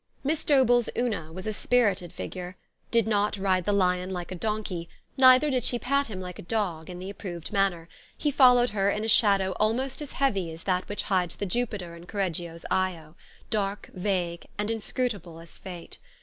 Miss Dobell's Una was a spirited figure ; did not ride the lion like a donkey, neither did she pat him like a dog, in the approved manner : he followed her in a shadow almost as heavy as that which hides the Jupiter in Correggio's lo, dark, vague, and inscrutable as fate.